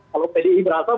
kalau pdi beratakan